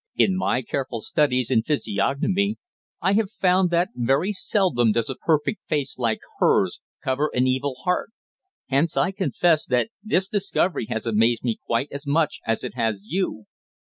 In my careful studies in physiognomy I have found that very seldom does a perfect face like hers cover an evil heart. Hence, I confess, that this discovery has amazed me quite as much as it has you.